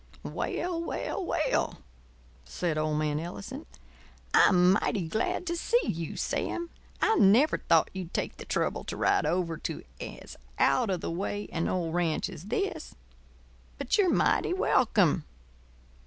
"Well, well, well," said old man Ellison. "I'm mighty glad to see you, Sam. I never thought you'd take the trouble to ride over to as out of the way an old ranch as this. But you're mighty welcome.